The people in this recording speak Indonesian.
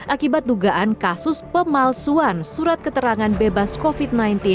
akibat dugaan kasus pemalsuan surat keterangan bebas covid sembilan belas